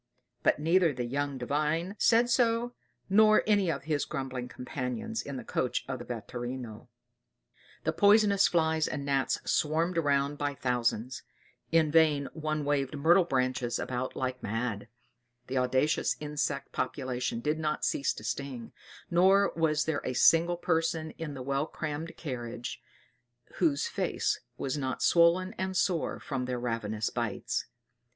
But neither the young Divine said so, nor anyone of his grumbling companions in the coach of the vetturino. The poisonous flies and gnats swarmed around by thousands; in vain one waved myrtle branches about like mad; the audacious insect population did not cease to sting; nor was there a single person in the well crammed carriage whose face was not swollen and sore from their ravenous bites.